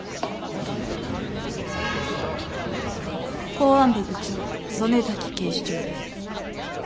公安部部長曽根崎警視長です。